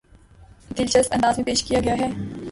دلچسپ انداز میں پیش کیا گیا ہے